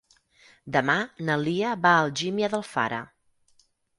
Demà na Lia va a Algímia d'Alfara.